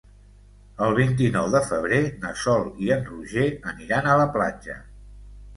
El vint-i-nou de febrer na Sol i en Roger aniran a la platja.